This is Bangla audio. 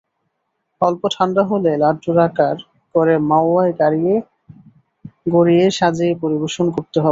অল্প ঠান্ডা হলে লাড্ডুর আকার করে মাওয়ায় গড়িয়ে সাজিয়ে পরিবেশন করতে হবে।